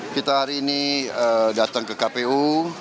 kita hari ini datang ke kpu